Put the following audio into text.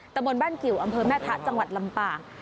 ตะบนบ้านกิวอำเภอแม่ทะจังหวัดลำปาง